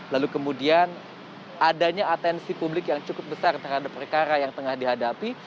lalu kemudian adanya atensi publik yang cukup besar terhadap perkara yang tengah dihadapi